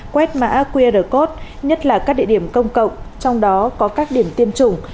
quét mã qr code nhất là các địa điểm công cộng trong đó có các điểm tiêm chủng